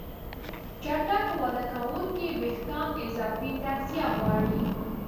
چټک وده کوونکي وېښتيان اضافي تغذیه غواړي.